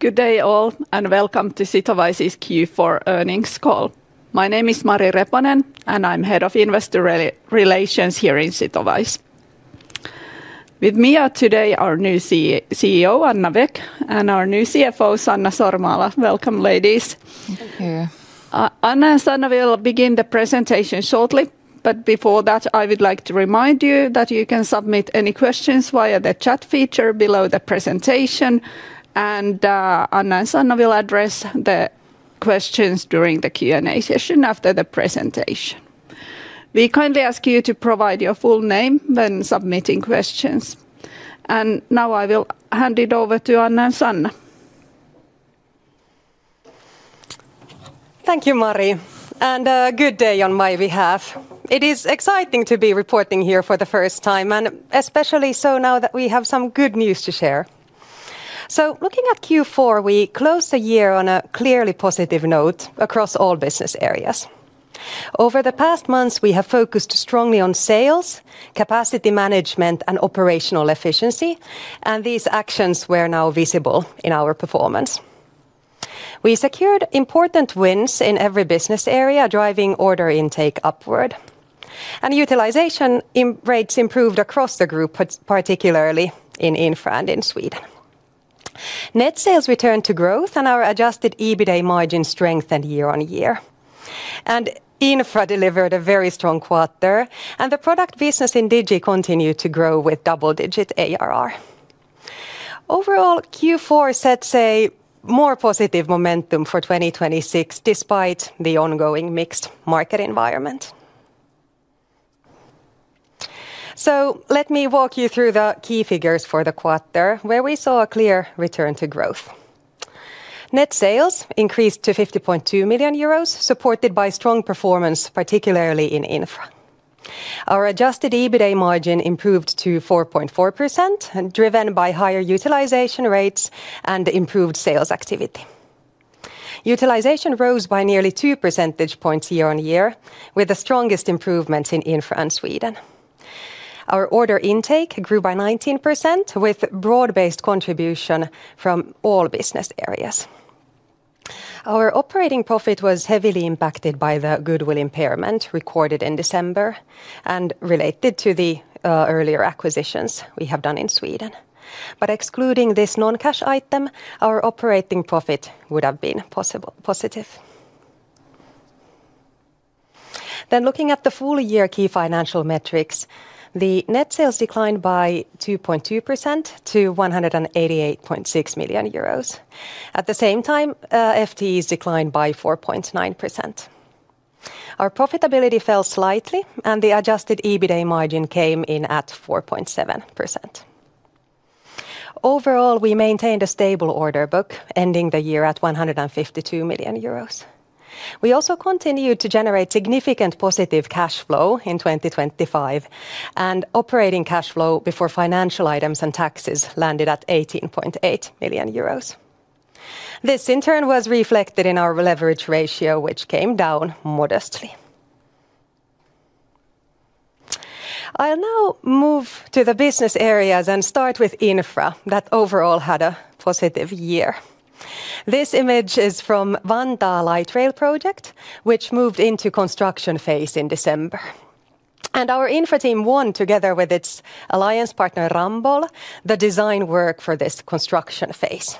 Good day all, and welcome to Sitowise's Q4 earnings call. My name is Mari Reponen, and I'm Head of Investor Relations here in Sitowise. With me today are our new CEO, Anna Wäck, and our new CFO, Hanna Masala. Welcome, ladies. Thank you. Thank you. Anna and Hanna will begin the presentation shortly, but before that, I would like to remind you that you can submit any questions via the chat feature below the presentation, and Anna and Hanna will address the questions during the Q&A session after the presentation. We kindly ask you to provide your full name when submitting questions. Now I will hand it over to Anna and Hanna. Thank you, Mari, and good day on my behalf. It is exciting to be reporting here for the first time, and especially so now that we have some good news to share. So looking at Q4, we closed the year on a clearly positive note across all business areas. Over the past months, we have focused strongly on sales, capacity management, and operational efficiency, and these actions were now visible in our performance. We secured important wins in every business area, driving order intake upward, and utilization rates improved across the group, particularly in Infra and in Sweden. Net sales returned to growth, and our adjusted EBITA margin strengthened year-over-year. Infra delivered a very strong quarter, and the product business in Digi continued to grow with double-digit ARR. Overall, Q4 sets a more positive momentum for 2026, despite the ongoing mixed market environment. So let me walk you through the key figures for the quarter, where we saw a clear return to growth. Net sales increased to 50.2 million euros, supported by strong performance, particularly in Infra. Our adjusted EBITA margin improved to 4.4%, driven by higher utilization rates and improved sales activity. Utilization rose by nearly two percentage points year-on-year, with the strongest improvements in Infra and Sweden. Our order intake grew by 19%, with broad-based contribution from all business areas. Our operating profit was heavily impacted by the goodwill impairment recorded in December and related to the earlier acquisitions we have done in Sweden. But excluding this non-cash item, our operating profit would have been positive. Then looking at the full year key financial metrics, the net sales declined by 2.2% to 188.6 million euros. At the same time, FTEs declined by 4.9%. Our profitability fell slightly, and the adjusted EBITA margin came in at 4.7%. Overall, we maintained a stable order book, ending the year at 152 million euros. We also continued to generate significant positive cash flow in 2025, and operating cash flow before financial items and taxes landed at 18.8 million euros. This, in turn, was reflected in our leverage ratio, which came down modestly. I'll now move to the business areas and start with Infra, that overall had a positive year. This image is from Vantaa Light Rail project, which moved into construction phase in December, and our Infra team won, together with its alliance partner, Ramboll, the design work for this construction phase.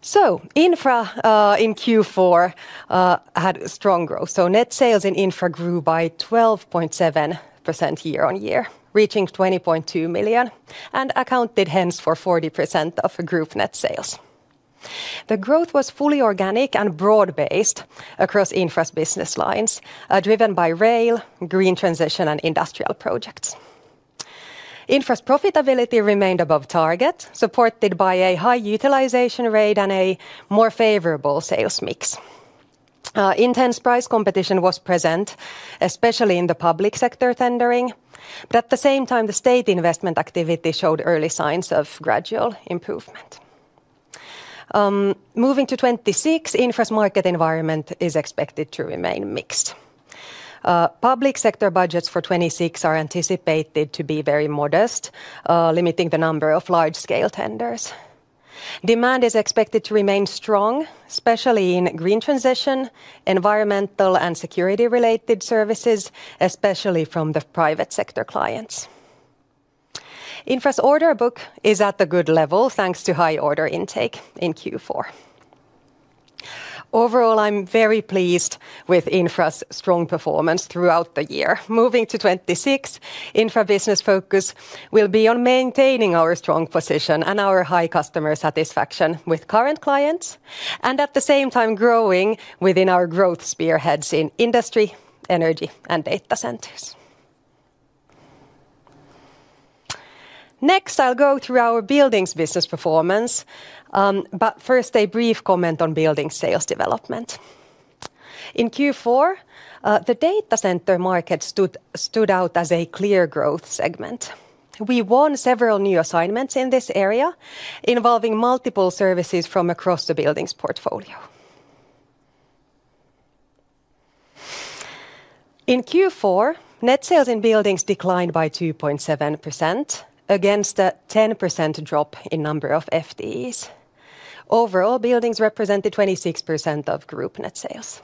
So Infra, in Q4, had strong growth, so net sales in Infra grew by 12.7% year-on-year, reaching 20.2 million, and accounted hence for 40% of the group net sales. The growth was fully organic and broad-based across Infra's business lines, driven by rail, green transition, and industrial projects. Infra's profitability remained above target, supported by a high utilization rate and a more favorable sales mix. Intense price competition was present, especially in the public sector tendering, but at the same time, the state investment activity showed early signs of gradual improvement. Moving to 2026, Infra's market environment is expected to remain mixed. Public sector budgets for 2026 are anticipated to be very modest, limiting the number of large-scale tenders. Demand is expected to remain strong, especially in green transition, environmental and security-related services, especially from the private sector clients. Infra's order book is at the good level, thanks to high order intake in Q4. Overall, I'm very pleased with Infra's strong performance throughout the year. Moving to 2026, Infra business focus will be on maintaining our strong position and our high customer satisfaction with current clients, and at the same time, growing within our growth spearheads in industry, energy, and data centers. Next, I'll go through our buildings business performance, but first, a brief comment on building sales development. In Q4, the data center market stood out as a clear growth segment. We won several new assignments in this area, involving multiple services from across the buildings portfolio.... In Q4, net sales in Buildings declined by 2.7% against a 10% drop in number of FTEs. Overall, Buildings represented 26% of group net sales.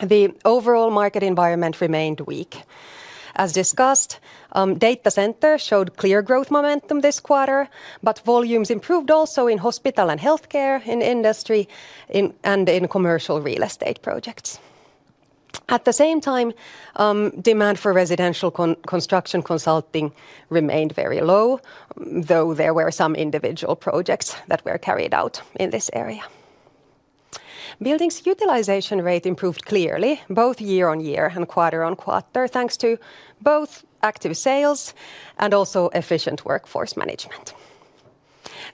The overall market environment remained weak. As discussed, data center showed clear growth momentum this quarter, but volumes improved also in hospital and healthcare, in industry, in, and in commercial real estate projects. At the same time, demand for residential construction consulting remained very low, though there were some individual projects that were carried out in this area. Buildings' utilization rate improved clearly, both year-over-year and quarter-over-quarter, thanks to both active sales and also efficient workforce management.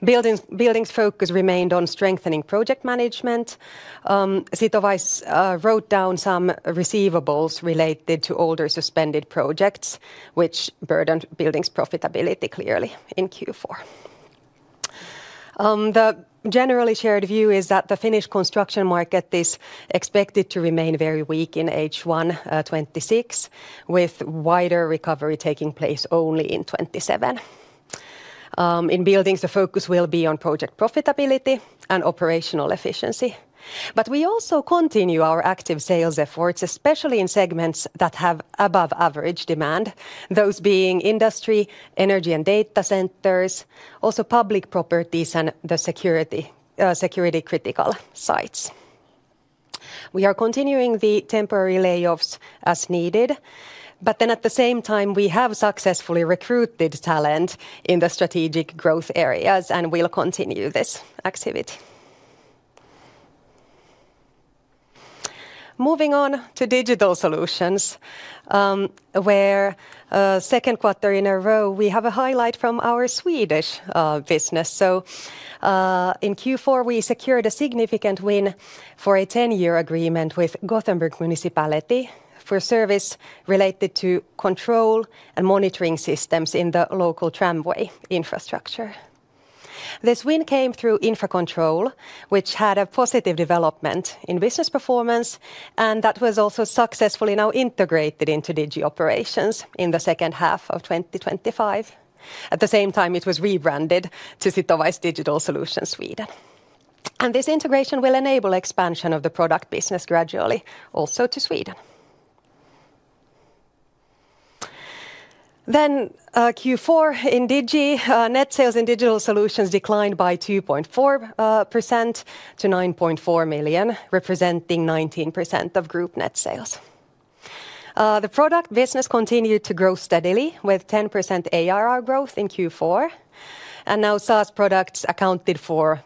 Buildings' focus remained on strengthening project management. Sitowise wrote down some receivables related to older suspended projects, which burdened Buildings' profitability clearly in Q4. The generally shared view is that the Finnish construction market is expected to remain very weak in H1 2026, with wider recovery taking place only in 2027. In Buildings, the focus will be on project profitability and operational efficiency. But we also continue our active sales efforts, especially in segments that have above-average demand, those being industry, energy and data centers, also public properties and the security critical sites. We are continuing the temporary layoffs as needed, but then at the same time, we have successfully recruited talent in the strategic growth areas, and we'll continue this activity. Moving on to Digital Solutions, where second quarter in a row, we have a highlight from our Swedish business. So, in Q4, we secured a significant win for a 10-year agreement with Gothenburg Municipality for service related to control and monitoring systems in the local tramway infrastructure. This win came through Infracontrol, which had a positive development in business performance, and that was also successfully now integrated into Digi operations in the second half of 2025. At the same time, it was rebranded to Sitowise Digital Solutions Sweden. This integration will enable expansion of the product business gradually also to Sweden. Then Q4 in Digi net sales and digital solutions declined by 2.4% to 9.4 million, representing 19% of group net sales. The product business continued to grow steadily with 10% ARR growth in Q4, and now SaaS products accounted for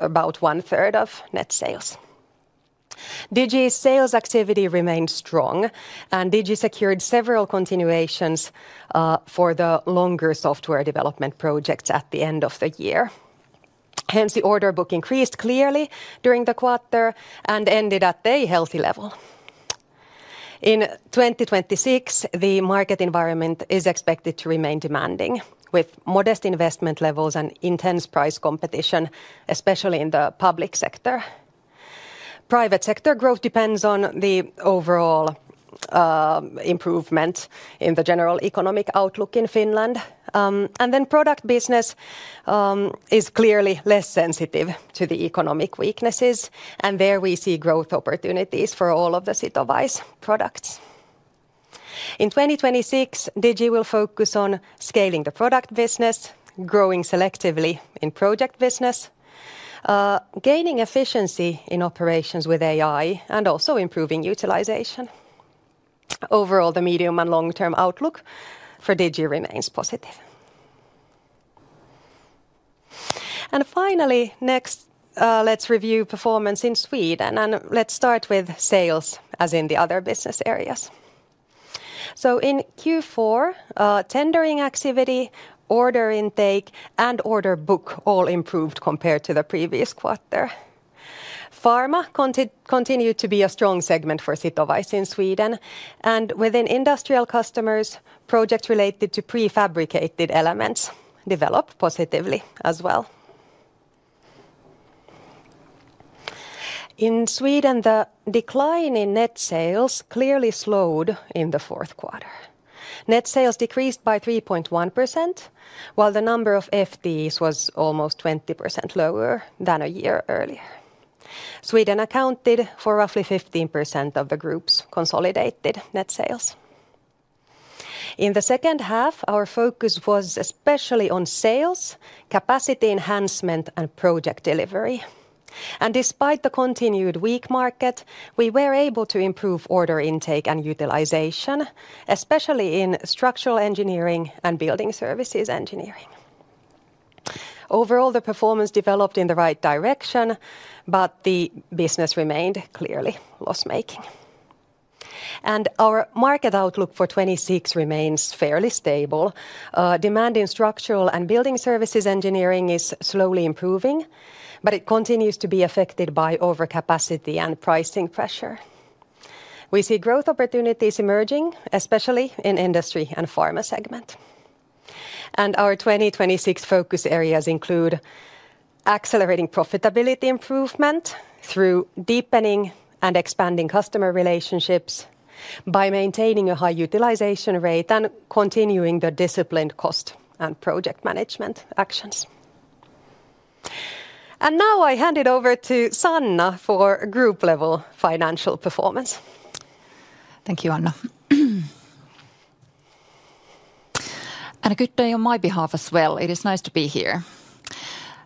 about one-third of net sales. Digi's sales activity remained strong, and Digi secured several continuations for the longer software development projects at the end of the year. Hence, the order book increased clearly during the quarter and ended at a healthy level. In 2026, the market environment is expected to remain demanding, with modest investment levels and intense price competition, especially in the public sector. Private sector growth depends on the overall improvement in the general economic outlook in Finland. Then product business is clearly less sensitive to the economic weaknesses, and there we see growth opportunities for all of the Sitowise products. In 2026, Digi will focus on scaling the product business, growing selectively in project business, gaining efficiency in operations with AI, and also improving utilization. Overall, the medium and long-term outlook for Digi remains positive. Finally, next, let's review performance in Sweden, and let's start with sales, as in the other business areas. In Q4, tendering activity, order intake, and order book all improved compared to the previous quarter. Pharma continued to be a strong segment for Sitowise in Sweden, and within industrial customers, projects related to prefabricated elements developed positively as well. In Sweden, the decline in net sales clearly slowed in the fourth quarter. Net sales decreased by 3.1%, while the number of FTEs was almost 20% lower than a year earlier. Sweden accounted for roughly 15% of the group's consolidated net sales. In the second half, our focus was especially on sales, capacity enhancement, and project delivery, and despite the continued weak market, we were able to improve order intake and utilization, especially in structural engineering and building services engineering. Overall, the performance developed in the right direction, but the business remained clearly loss-making. Our market outlook for 2026 remains fairly stable. Demand in structural and building services engineering is slowly improving, but it continues to be affected by overcapacity and pricing pressure. We see growth opportunities emerging, especially in industry and pharma segment. Our 2026 focus areas include accelerating profitability improvement through deepening and expanding customer relationships by maintaining a high utilization rate and continuing the disciplined cost and project management actions. Now I hand it over to Hanna for group level financial performance. Thank you, Anna. And a good day on my behalf as well. It is nice to be here.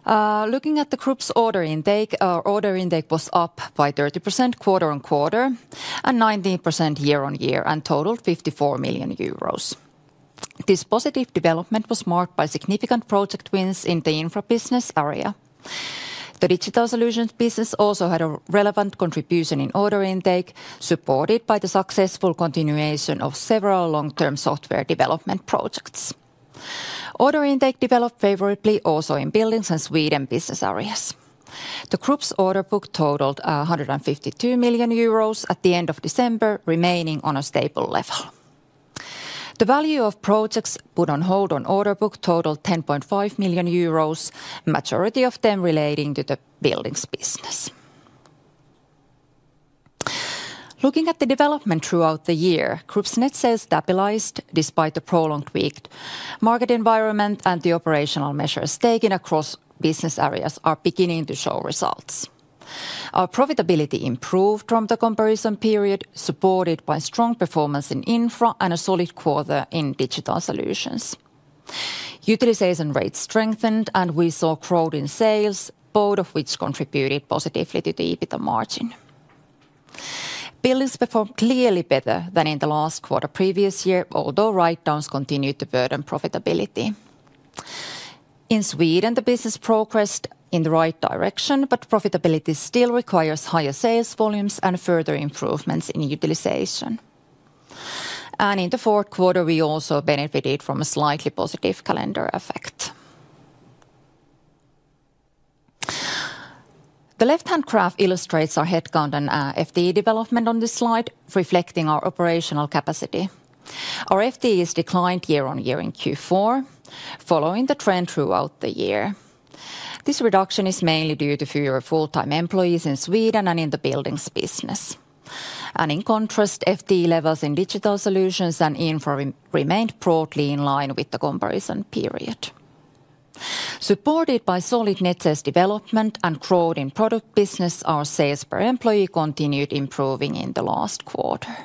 Looking at the group's order intake, our order intake was up by 30% quarter-on-quarter, and 19% year-on-year, and totaled 54 million euros. This positive development was marked by significant project wins in the Infra business area. The Digital Solutions business also had a relevant contribution in order intake, supported by the successful continuation of several long-term software development projects. Order intake developed favorably also in Buildings and Sweden business areas. The group's order book totaled 152 million euros at the end of December, remaining on a stable level. The value of projects put on hold on order book totaled 10.5 million euros, majority of them relating to the Buildings business. Looking at the development throughout the year, group's net sales stabilized despite the prolonged weak market environment, and the operational measures taken across business areas are beginning to show results. Our profitability improved from the comparison period, supported by strong performance in Infra and a solid quarter in Digital Solutions. Utilization rates strengthened, and we saw growth in sales, both of which contributed positively to the EBITDA margin. Buildings performed clearly better than in the last quarter previous year, although writedowns continued to burden profitability. In Sweden, the business progressed in the right direction, but profitability still requires higher sales volumes and further improvements in utilization. And in the fourth quarter, we also benefited from a slightly positive calendar effect. The left-hand graph illustrates our headcount and, FTE development on this slide, reflecting our operational capacity. Our FTEs declined year-on-year in Q4, following the trend throughout the year. This reduction is mainly due to fewer full-time employees in Sweden and in the Buildings business. In contrast, FTE levels in Digital Solutions and Infra remained broadly in line with the comparison period. Supported by solid net sales development and growth in product business, our sales per employee continued improving in the last quarter.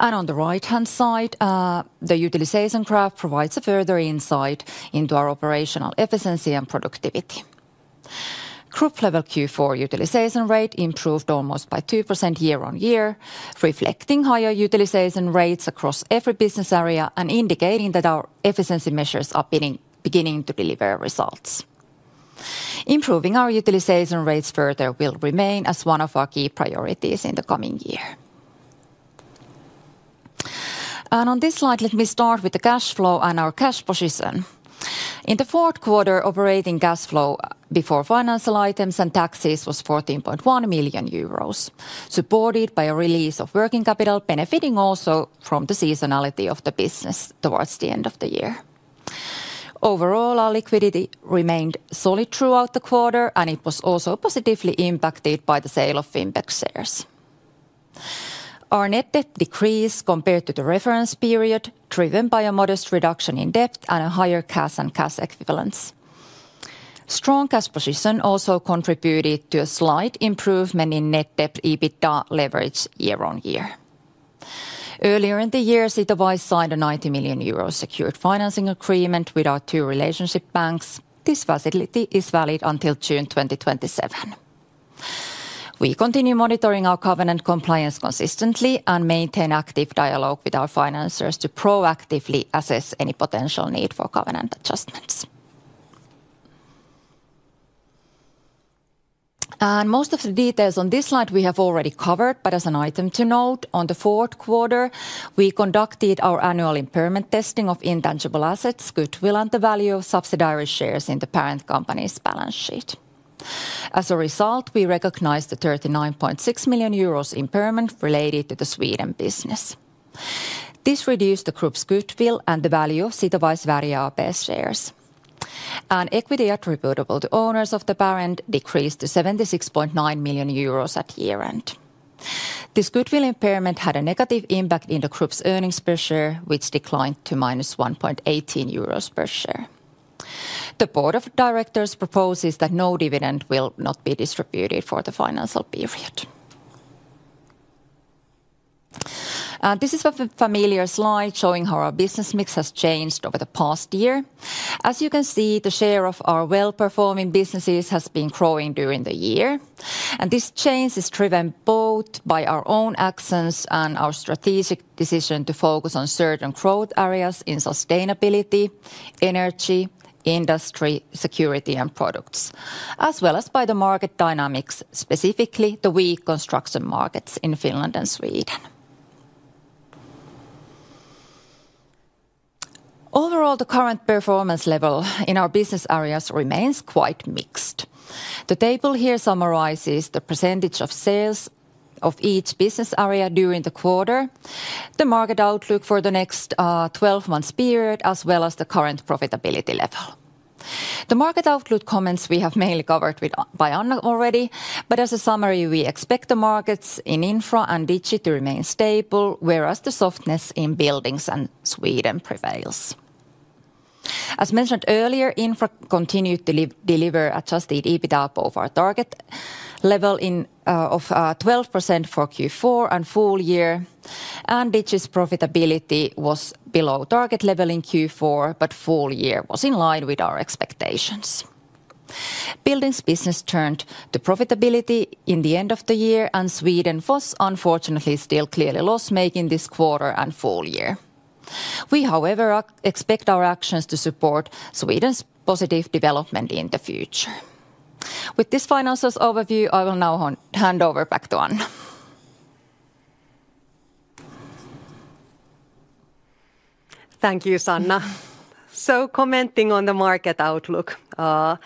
On the right-hand side, the utilization graph provides a further insight into our operational efficiency and productivity. Group level Q4 utilization rate improved almost by 2% year-on-year, reflecting higher utilization rates across every business area, and indicating that our efficiency measures are beginning to deliver results. Improving our utilization rates further will remain as one of our key priorities in the coming year. On this slide, let me start with the cash flow and our cash position. In the fourth quarter, operating cash flow before financial items and taxes was 14.1 million euros, supported by a release of working capital, benefiting also from the seasonality of the business towards the end of the year. Overall, our liquidity remained solid throughout the quarter, and it was also positively impacted by the sale of Fimpec shares. Our net debt decreased compared to the reference period, driven by a modest reduction in debt and a higher cash and cash equivalents. Strong cash position also contributed to a slight improvement in net debt EBITDA leverage year-on-year. Earlier in the year, Sitowise signed a 90 million euro secured financing agreement with our two relationship banks. This facility is valid until June 2027. We continue monitoring our covenant compliance consistently and maintain active dialogue with our financers to proactively assess any potential need for covenant adjustments. Most of the details on this slide we have already covered, but as an item to note, on the fourth quarter, we conducted our annual impairment testing of intangible assets, goodwill, and the value of subsidiary shares in the parent company's balance sheet. As a result, we recognized a 39.6 million euros impairment related to the Sweden business. This reduced the group's goodwill and the value of Sitowise Sverige AB shares. Equity attributable to owners of the parent decreased to 76.9 million euros at year-end. This goodwill impairment had a negative impact in the group's earnings per share, which declined to -1.18 euros per share. The board of directors proposes that no dividend will not be distributed for the financial period. This is a familiar slide showing how our business mix has changed over the past year. As you can see, the share of our well-performing businesses has been growing during the year, and this change is driven both by our own actions and our strategic decision to focus on certain growth areas in sustainability, energy, industry, security, and products, as well as by the market dynamics, specifically the weak construction markets in Finland and Sweden. Overall, the current performance level in our business areas remains quite mixed…. The table here summarizes the percentage of sales of each business area during the quarter, the market outlook for the next twelve-month period, as well as the current profitability level. The market outlook comments we have mainly covered by Anna already, but as a summary, we expect the markets in Infra and Digi to remain stable, whereas the softness in Buildings and Sweden prevails. As mentioned earlier, Infra continued to deliver adjusted EBITA above our target level of 12% for Q4 and full year, and Digi's profitability was below target level in Q4, but full year was in line with our expectations. Buildings business turned to profitability in the end of the year, and Sweden was unfortunately still clearly loss-making this quarter and full year. We, however, expect our actions to support Sweden's positive development in the future. With this finances overview, I will now hand over back to Anna. Thank you, Hanna. So commenting on the market outlook, the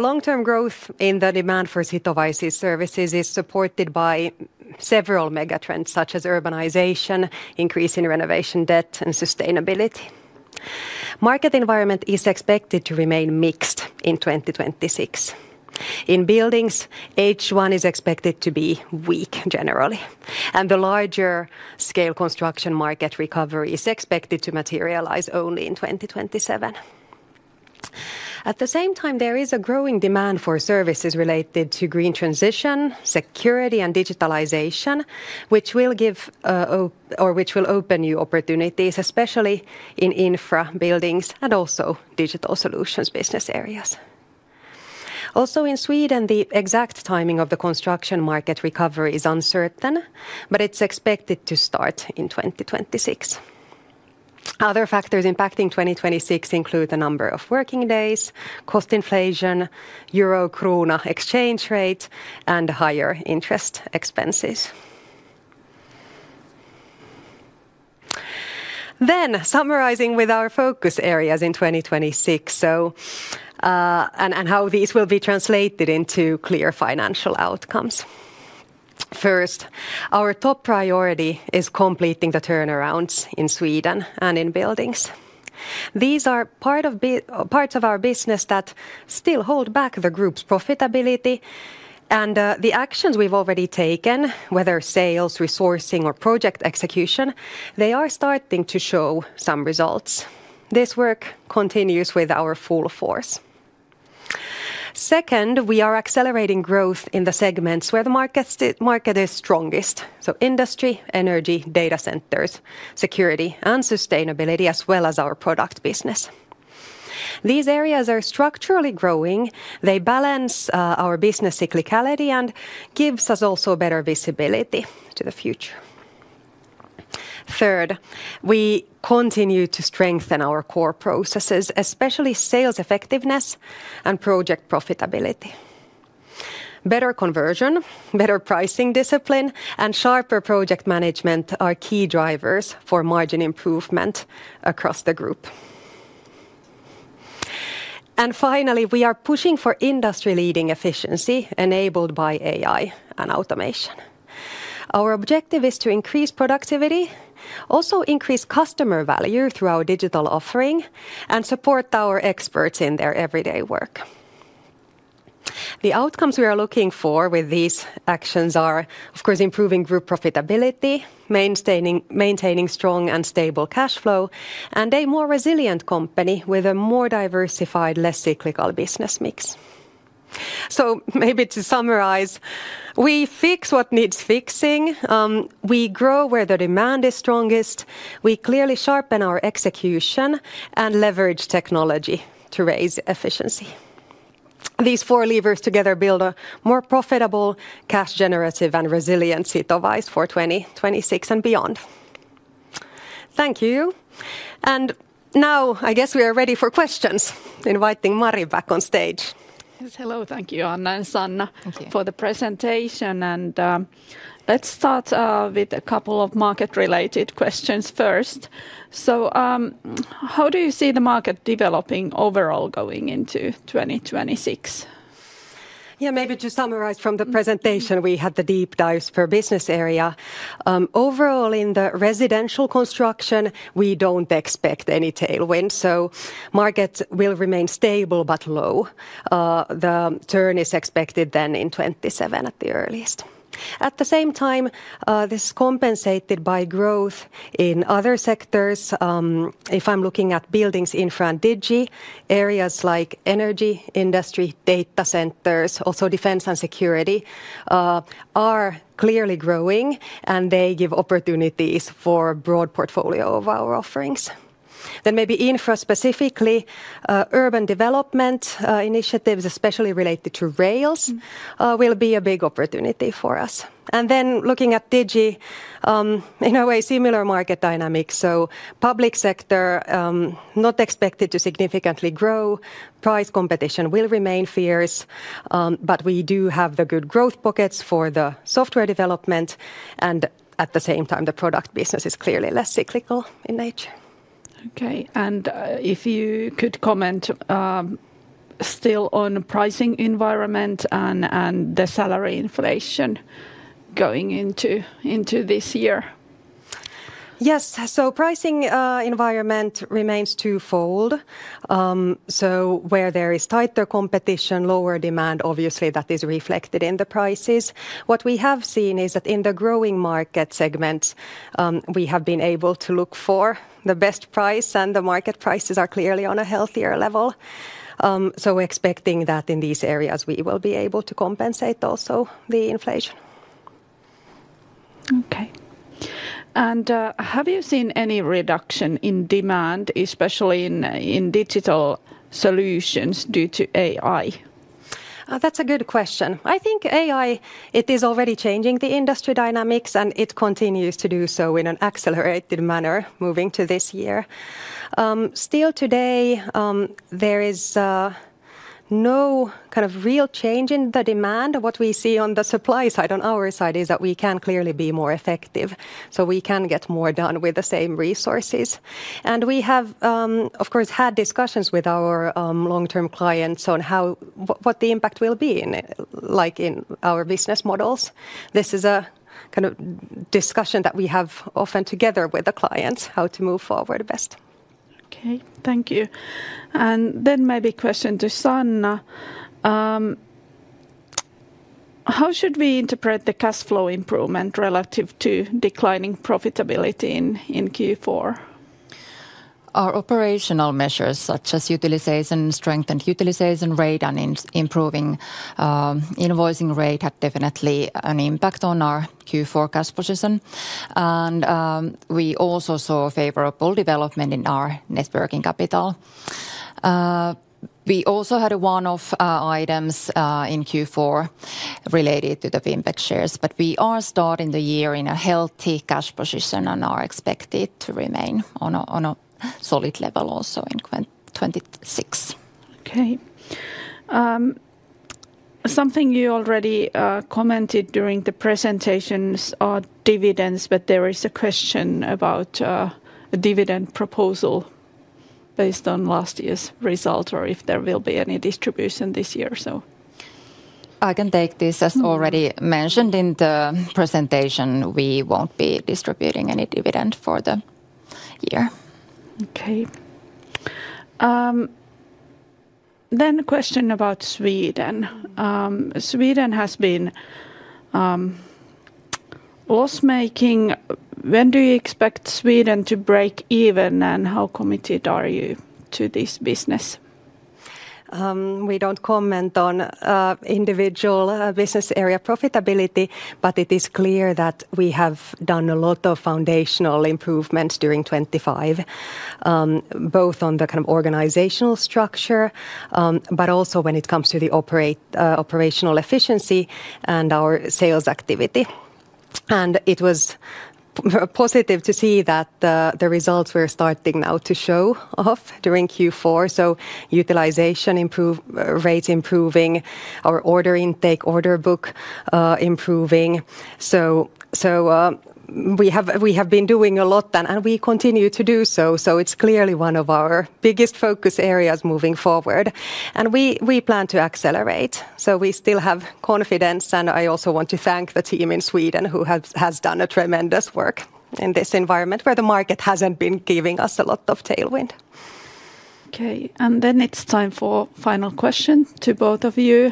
long-term growth in the demand for Sitowise's services is supported by several mega trends, such as urbanization, increase in renovation debt, and sustainability. Market environment is expected to remain mixed in 2026. In Buildings, H1 is expected to be weak generally, and the larger scale construction market recovery is expected to materialize only in 2027. At the same time, there is a growing demand for services related to green transition, security, and digitalization, which will give, or which will open new opportunities, especially in Infra, Buildings, and also Digital Solutions business areas. Also, in Sweden, the exact timing of the construction market recovery is uncertain, but it's expected to start in 2026. Other factors impacting 2026 include the number of working days, cost inflation, euro-krona exchange rate, and higher interest expenses. Then summarizing with our focus areas in 2026, so, and how these will be translated into clear financial outcomes. First, our top priority is completing the turnarounds in Sweden and in Buildings. These are part of parts of our business that still hold back the group's profitability, and, the actions we've already taken, whether sales, resourcing, or project execution, they are starting to show some results. This work continues with our full force. Second, we are accelerating growth in the segments where the market is strongest, so industry, energy, data centers, security, and sustainability, as well as our product business. These areas are structurally growing. They balance our business cyclicality and gives us also better visibility to the future. Third, we continue to strengthen our core processes, especially sales effectiveness and project profitability. Better conversion, better pricing discipline, and sharper project management are key drivers for margin improvement across the group. And finally, we are pushing for industry-leading efficiency enabled by AI and automation. Our objective is to increase productivity, also increase customer value through our digital offering, and support our experts in their everyday work. The outcomes we are looking for with these actions are, of course, improving group profitability, maintaining strong and stable cash flow, and a more resilient company with a more diversified, less cyclical business mix. So maybe to summarize: we fix what needs fixing, we grow where the demand is strongest, we clearly sharpen our execution, and leverage technology to raise efficiency. These four levers together build a more profitable cash-generative and resilient Sitowise for 2026 and beyond. Thank you. And now, I guess we are ready for questions. Inviting Mari back on stage. Yes, hello. Thank you, Anna and Hanna- Thank you... for the presentation, and, let's start with a couple of market-related questions first. So, how do you see the market developing overall going into 2026? Yeah, maybe to summarize from the presentation, we had the deep dives per business area. Overall, in the residential construction, we don't expect any tailwind, so markets will remain stable but low. The turn is expected then in 2027 at the earliest. At the same time, this is compensated by growth in other sectors. If I'm looking at Buildings, Infra, and Digi, areas like energy, industry, data centers, also defense and security, are clearly growing, and they give opportunities for broad portfolio of our offerings. Then maybe Infra, specifically, urban development, initiatives, especially related to rails- Mm-hmm... will be a big opportunity for us. Then looking at Digi, in a way, similar market dynamics, so public sector, not expected to significantly grow. Price competition will remain fierce, but we do have the good growth pockets for the software development, and at the same time, the product business is clearly less cyclical in nature. ... Okay, and if you could comment still on pricing environment and the salary inflation going into this year? Yes. Pricing environment remains twofold. Where there is tighter competition, lower demand, obviously that is reflected in the prices. What we have seen is that in the growing market segments, we have been able to look for the best price, and the market prices are clearly on a healthier level. We're expecting that in these areas we will be able to compensate also the inflation. Okay. And have you seen any reduction in demand, especially in digital solutions due to AI? That's a good question. I think AI, it is already changing the industry dynamics, and it continues to do so in an accelerated manner moving to this year. Still today, there is no kind of real change in the demand. What we see on the supply side, on our side, is that we can clearly be more effective, so we can get more done with the same resources. And we have, of course, had discussions with our long-term clients on how... what the impact will be in, like, in our business models. This is a kind of discussion that we have often together with the clients, how to move forward best. Okay, thank you. And then maybe question to Hanna. How should we interpret the cash flow improvement relative to declining profitability in Q4? Our operational measures, such as utilization, strength and utilization rate, and improving invoicing rate, had definitely an impact on our Q4 cash position. We also saw a favorable development in our net working capital. We also had a one-off items in Q4 related to the Fimpec shares, but we are starting the year in a healthy cash position and are expected to remain on a solid level also in 2026. Okay. Something you already commented during the presentations are dividends, but there is a question about the dividend proposal based on last year's result, or if there will be any distribution this year, so... I can take this. Mm. As already mentioned in the presentation, we won't be distributing any dividend for the year. Okay. A question about Sweden. Sweden has been loss-making. When do you expect Sweden to break even, and how committed are you to this business? We don't comment on individual business area profitability, but it is clear that we have done a lot of foundational improvements during 2025, both on the kind of organizational structure, but also when it comes to the operational efficiency and our sales activity. And it was positive to see that the results were starting now to show off during Q4, so utilization rate improving, our order intake, order book improving. So we have been doing a lot, and we continue to do so, so it's clearly one of our biggest focus areas moving forward, and we plan to accelerate. So we still have confidence, and I also want to thank the team in Sweden, who has done a tremendous work in this environment, where the market hasn't been giving us a lot of tailwind. Okay, and then it's time for final question to both of you.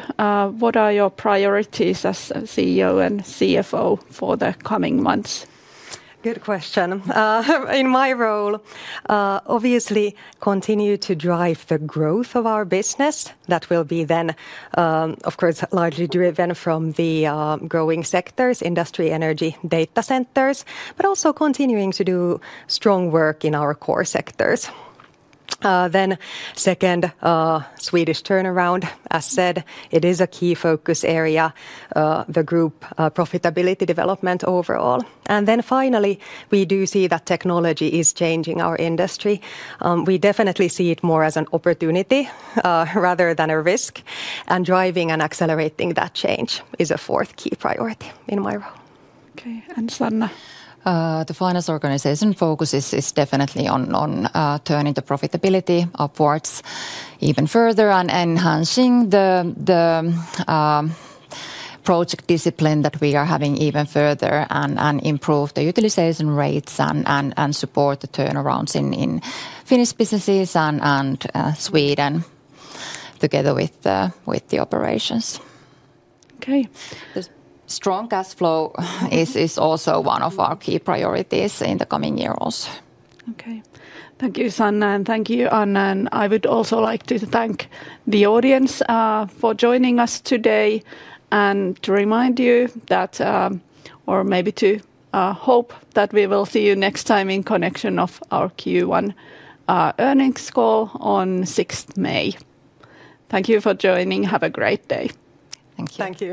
What are your priorities as CEO and CFO for the coming months? Good question. In my role, obviously continue to drive the growth of our business. That will be, then, of course, largely driven from the growing sectors, industry, energy, data centers, but also continuing to do strong work in our core sectors. Then second, Swedish turnaround, as said, it is a key focus area, the group profitability development overall. And then finally, we do see that technology is changing our industry. We definitely see it more as an opportunity, rather than a risk, and driving and accelerating that change is a fourth key priority in my role. Okay, and Hanna? The finance organization focus is definitely on turning the profitability upwards even further and enhancing the project discipline that we are having even further and improve the utilization rates and support the turnarounds in Finnish businesses and Sweden, together with the operations. Okay. The strong cash flow is also one of our key priorities in the coming years also. Okay. Thank you, Hanna, and thank you, Anna, and I would also like to thank the audience for joining us today. And to remind you that, or maybe to, hope that we will see you next time in connection of our Q1 earnings call on 6th May. Thank you for joining. Have a great day. Thank you. Thank you.